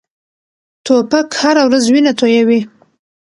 توپک هره ورځ وینه تویوي.